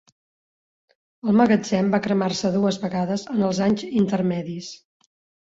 El magatzem va cremar-se dues vegades en els anys intermedis.